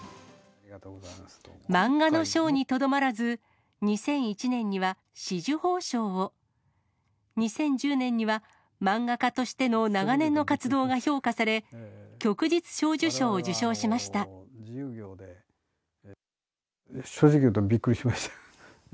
漫画の賞にとどまらず、２００１年には紫綬褒章を、２０１０年には漫画家としての長年の活動が評価され、正直言うとびっくりしました。